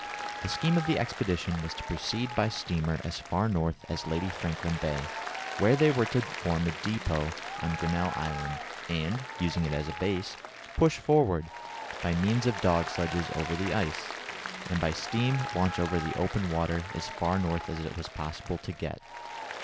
The scheme of the expedition was to proceed by steamer as far north as Lady Franklin Bay, where they were to form a depôt on Grinnel Land, and, using it as a base, push forward, by means of dog sledges over the ice, and by steam launch over the open water, as far north as it was possible to get.